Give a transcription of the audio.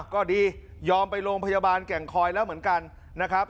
ก็ดียอมไปโรงพยาบาลแก่งคอยแล้วเหมือนกันนะครับ